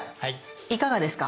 いかがですか？